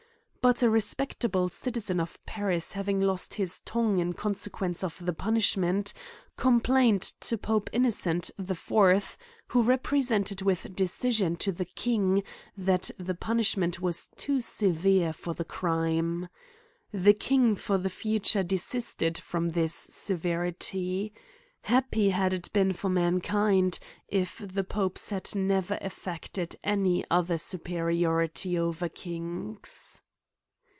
But a respectable citizen of Paris having lost his tongue in consequence of the punishment, com plained to Pope Innocent the IV, who represented with decision to the king, that the punishment was too severe for the crime. The king for the future desisted from this severity. Happy had it been for mankind/ if tRe popes had never affected any other superiority over kings.